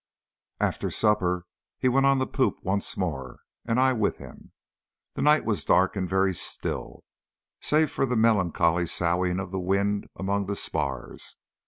After supper he went on to the poop once more, and I with him. The night was dark and very still, save for the melancholy soughing of the wind among the spars.